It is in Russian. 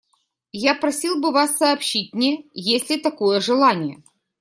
Я просил бы вас сообщить мне, есть ли такое желание.